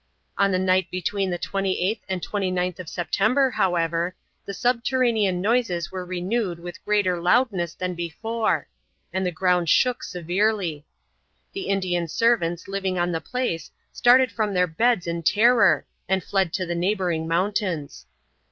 On the night between the 28th and 29th of September, however, the subterranean noises were renewed with greater loudness than before, and the ground shook severely. The Indian servants living on the place started from their beds in terror, and fled to the neighboring mountains.